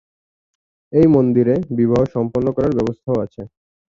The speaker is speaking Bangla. এই মন্দিরে বিবাহ সম্পন্ন করার ব্যবস্থাও আছে।